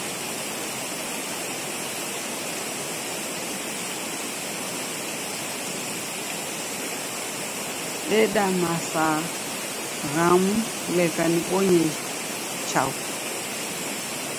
Dideda masaa ghamu leka nibonye chaghu